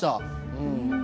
うん。